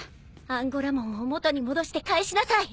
アンゴラモンを元に戻してかえしなさい。